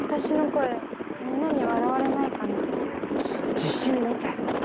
自信持て。